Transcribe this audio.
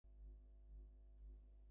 তুমি, ধরো ওদের।